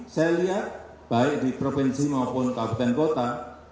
saya lihat baik di provinsi maupun kabupaten kota